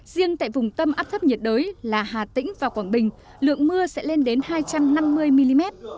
riêng tại vùng tâm áp thấp nhiệt đới là hà tĩnh và quảng bình lượng mưa sẽ lên đến hai trăm năm mươi mm